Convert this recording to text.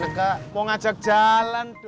masa bapak bilang begitu